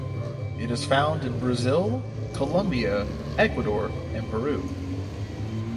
It is found in Brazil, Colombia, Ecuador, and Peru.